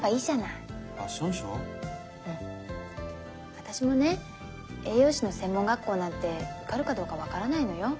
私もね栄養士の専門学校なんて受かるかどうか分からないのよ。